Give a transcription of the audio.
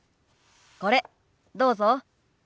これどうぞ。